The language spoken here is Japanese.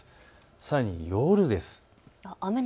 さらに夜です。